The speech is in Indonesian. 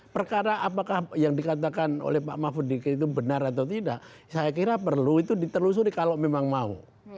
perkara apakah yang dikatakan oleh pak mahfuddiq itu benar atau tidak saya kira perlu itu ditelusuri kalau memang mau